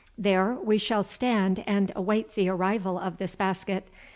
There we shall stand and await the arrival of this basket.